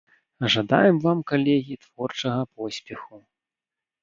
Жадаем вам, калегі, творчага поспеху!